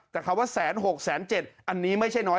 แต่คำว่าแสนหกแสนเจ็ดอันนี้ไม่ใช่น้อย